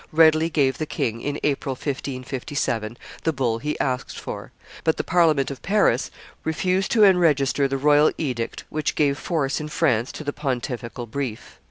readily gave the king, in April, 1557, the bull he asked for, but the Parliament of Paris refused to enregister the royal edict which gave force in France to the pontifical brief.